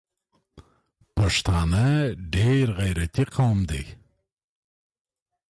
پښتانه ډېر غیرتي قوم ده